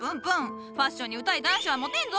ファッションに疎い男子はモテんぞ？